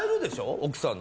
奥さんに。